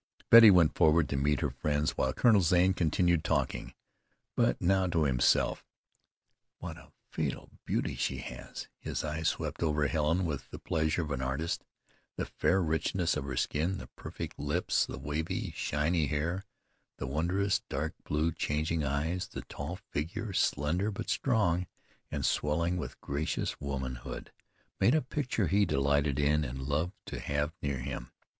Betty went forward to meet her friends while Colonel Zane continued talking, but now to himself. "What a fatal beauty she has!" His eyes swept over Helen with the pleasure of an artist. The fair richness of her skin, the perfect lips, the wavy, shiny hair, the wondrous dark blue, changing eyes, the tall figure, slender, but strong and swelling with gracious womanhood, made a picture he delighted in and loved to have near him.